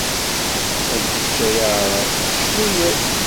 Ma d kečč, ay Aεrab, cnu-yas.